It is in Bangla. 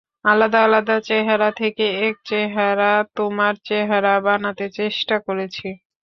আলাদা আলাদা চেহারা থেকে এক চেহেরা, তোমার চেহেরা বানাতে চেষ্টা করেছি।